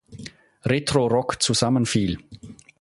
Retro-Rock zusammenfiel.